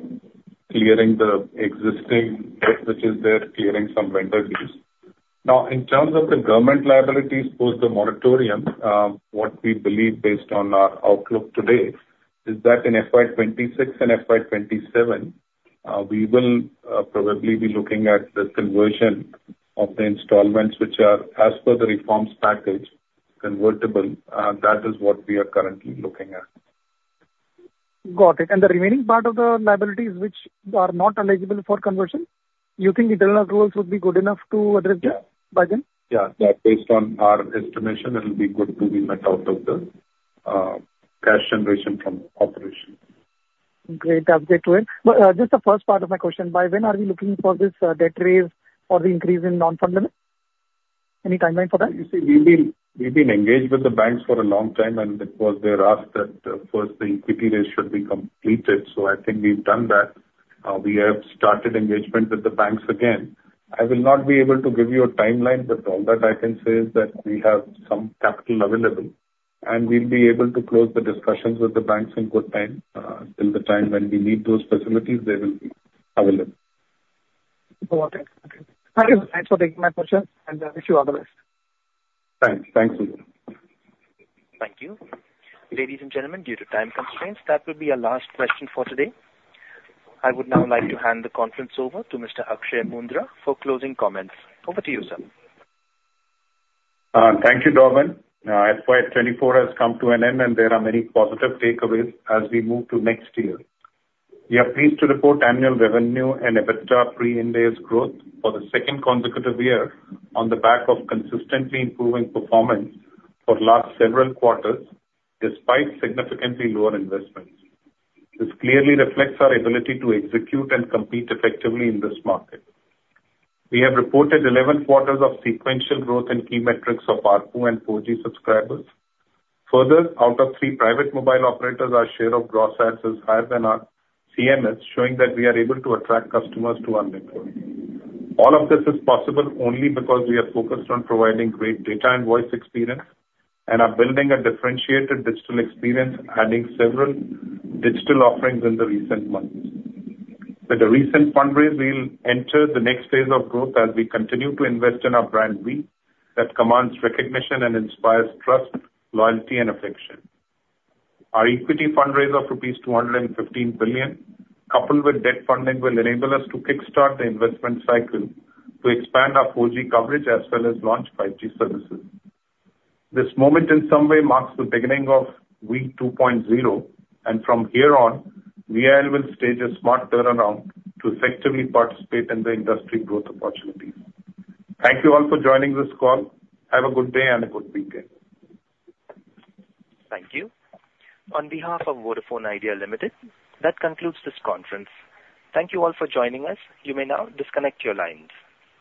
clearing the existing debt, which is there, clearing some vendor deals. Now, in terms of the government liabilities post the moratorium, what we believe based on our outlook today is that in FY 2026 and FY 2027, we will, probably be looking at the conversion of the installments, which are, as per the reforms package, convertible. That is what we are currently looking at. Got it. The remaining part of the liabilities, which are not eligible for conversion, you think internal accruals would be good enough to address that by then? Yeah, yeah. Based on our estimation, it'll be good to be met out of the cash generation from operation. Great. Update well. But, just the first part of my question: By when are we looking for this, debt raise or the increase in non-fund limit? Any timeline for that? You see, we've been engaged with the banks for a long time, and of course they're asked that first the equity raise should be completed. So I think we've done that. We have started engagement with the banks again. I will not be able to give you a timeline, but all that I can say is that we have some capital available. We'll be able to close the discussions with the banks in good time. Till the time when we need those facilities, they will be available. Got it. Okay. Thank you. Thanks for taking my question, and wish you all the best. Thanks. Thank you. Thank you. Ladies and gentlemen, due to time constraints, that will be our last question for today. I would now like to hand the conference over to Mr. Akshay Moondra for closing comments. Over to you, sir. Thank you, Darwin. FY 2024 has come to an end, and there are many positive takeaways as we move to next year. We are pleased to report annual revenue and EBITDA pre-Ind AS growth for the second consecutive year on the back of consistently improving performance for last several quarters, despite significantly lower investments. This clearly reflects our ability to execute and compete effectively in this market. We have reported 11 quarters of sequential growth in key metrics of ARPU and 4G subscribers. Further, out of 3 private mobile operators, our share of gross adds is higher than our CMS, showing that we are able to attract customers to our network. All of this is possible only because we are focused on providing great data and voice experience, and are building a differentiated digital experience, adding several digital offerings in the recent months. With the recent fundraise, we'll enter the next phase of growth as we continue to invest in our brand, Vi, that commands recognition and inspires trust, loyalty, and affection. Our equity fundraise of rupees 215 billion, coupled with debt funding, will enable us to kick-start the investment cycle to expand our 4G coverage as well as launch 5G services. This moment, in some way, marks the beginning of Vi 2.0, and from here on, Vi will stage a smart turnaround to effectively participate in the industry growth opportunities. Thank you all for joining this call. Have a good day and a good weekend. Thank you. On behalf of Vodafone Idea Limited, that concludes this conference. Thank you all for joining us. You may now disconnect your lines.